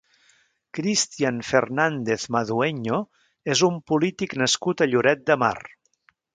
Cristian Fernández Madueño és un polític nascut a Lloret de Mar.